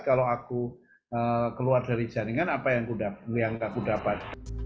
kalau aku keluar dari jaringan apa yang aku dapat